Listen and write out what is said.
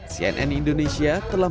cnn indonesia telah memperkenalkan